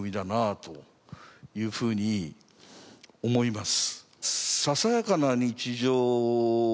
というふうに思います。